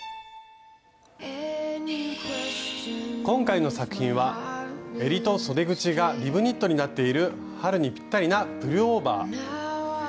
今回の作品はえりとそで口がリブニットになっている春にぴったりなプルオーバー。